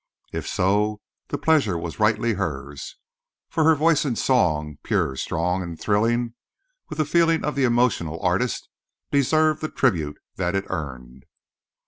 If so, the pleasure was rightly hers, for her voice in song, pure, strong and thrilling with the feeling of the emotional artist, deserved the tribute that it earned.